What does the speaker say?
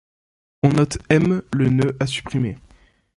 On note M le nœud à supprimer.